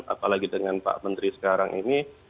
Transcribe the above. apalagi dengan pak menteri sekarang ini